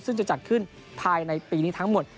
ซึ่งจะจัดขึ้นภายในปีนี้ทั้งหมด